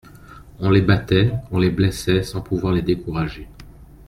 On les battait, on les blessait sans pouvoir les décourager.